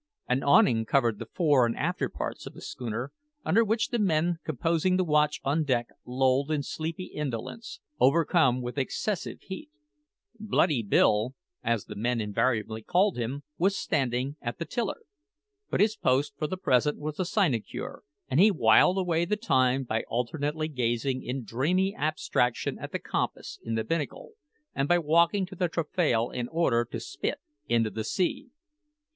An awning covered the fore and after parts of the schooner, under which the men composing the watch on deck lolled in sleepy indolence, overcome with excessive heat. Bloody Bill, as the men invariably called him, was standing at the tiller; but his post for the present was a sinecure, and he whiled away the time by alternately gazing in dreamy abstraction at the compass in the binnacle and by walking to the taffrail in order to spit into the sea.